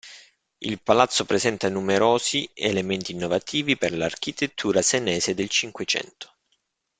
Il palazzo presenta numerosi elementi innovativi per l'architettura senese del Cinquecento.